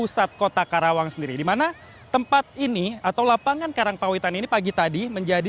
selamat malam fitri